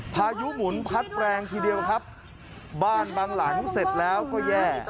พายุหมุนพัดแรงทีเดียวครับบ้านบางหลังเสร็จแล้วก็แย่